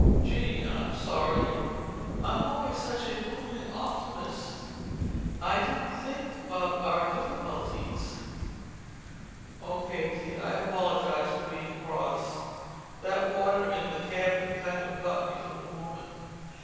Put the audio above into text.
"Gee, I'm sorry. I'm always such a blooming optimist—I didn't think about our real difficulties." "O. K. kid. I apologize for being cross. That water in the cabin kind of got me for the moment.